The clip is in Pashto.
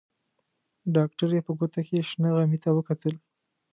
ډاکټرې په ګوته کې شنه غمي ته وکتل.